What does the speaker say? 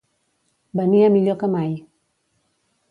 Venia millor que mai.